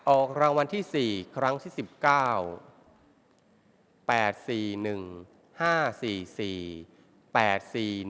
ออกรางวัลที่สี่ครั้งที่สิบแปด